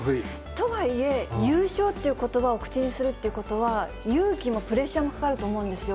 とはいえ、優勝っていうことばを口にするってことは、勇気もプレッシャーもかかると思うんですよ。